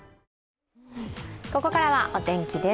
ここからはお天気です。